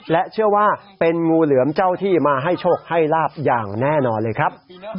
และเชื่อว่าเป็นงูเหลือมเจ้าที่มาให้โชคให้ลาบอย่างแน่นอนเลยครับ